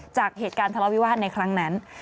จากเหตุการณ์ทะเลาวิวาสในครั้งนั้น